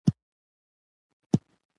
چای د علم زېری راوړي